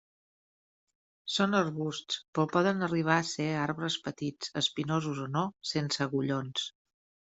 Són arbusts però poden arribar a ser arbres petits, espinosos o no, sense agullons.